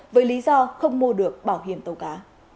với lý do không mua được bảo hiểm tàu cá